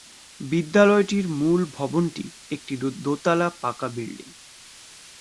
বিদ্যালয়টির মূল ভবনটি একটি দোতলা পাকা বিল্ডিং।